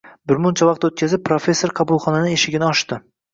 Birmuncha vaqt o`tkazib, professor qabulxonaning eshigini ochdi